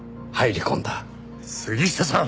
杉下さん！